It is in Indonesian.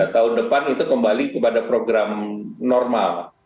tahun depan itu kembali kepada program normal